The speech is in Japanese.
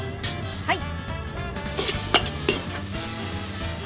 はい！